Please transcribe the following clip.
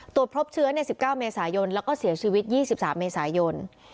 ตรวจพบเชื้อใน๑๙เมษายนแล้วก็เสียชีวิต๒๓เมษายน